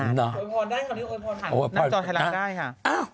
โอยพรได้ค่ะนี่โอยพรผ่านนักจอดไทยรักษณ์ได้ค่ะ